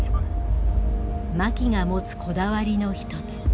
槇が持つこだわりの一つ。